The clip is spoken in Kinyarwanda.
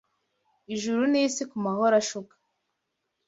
Ijuru n'isi kumahoro ashuka